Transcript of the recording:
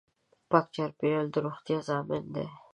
پاک چاپېریال د روغتیا ضامن دی.